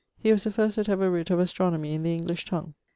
He was the first that ever writ of astronomie in the English tongue.